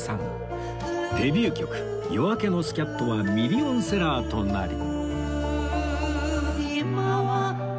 デビュー曲『夜明けのスキャット』はミリオンセラーとなり